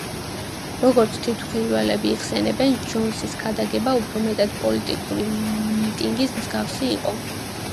როგორც თვითმხილველები იხსენებენ, ჯონსის ქადაგება უფრო მეტად პოლიტიკური მიტინგის მსგავსი იყო.